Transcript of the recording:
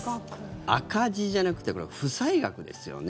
赤字じゃなくてこれは負債額ですよね。